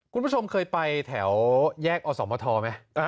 คุณผู้ชมเคยไปแถวแยกอสมทไหม